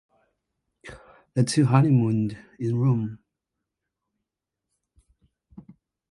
The two honeymooned in Rome.